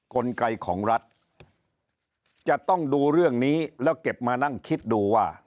กลไกของรัฐจะต้องดูเรื่องนี้แล้วเก็บมานั่งคิดดูว่า